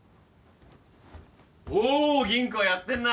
おう吟子やってんな。